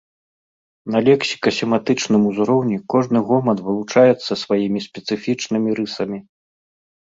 На лексіка-семантычным узроўні кожны гоман вылучаецца сваімі спецыфічнымі рысамі.